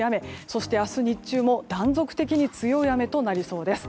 そして、明日日中も断続的に強い雨となりそうです。